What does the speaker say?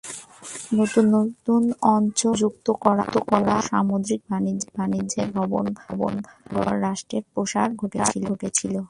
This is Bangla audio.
নতুন নতুন অঞ্চল যুক্ত করা ও সামুদ্রিক বাণিজ্যের কারণে ভাবনগর রাষ্ট্রের প্রসার ঘটেছিল।